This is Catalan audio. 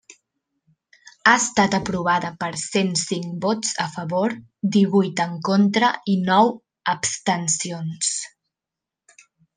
Ha estat aprovada per cent cinc vots a favor, divuit en contra i nou abstencions.